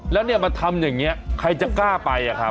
แล้วเนี่ยมาทำอย่างนี้ใครจะกล้าไปอะครับ